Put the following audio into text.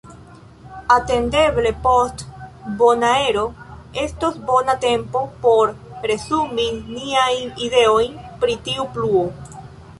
Atendeble post Bonaero estos bona tempo por resumi niajn ideojn pri tiu pluo.